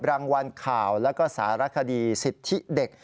รางวัลข่าวและสารคดีศิษย์ทิเด็ก